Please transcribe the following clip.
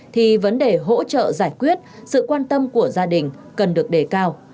thì vấn đề hỗ trợ giải quyết sự quan tâm của gia đình cần được đề cao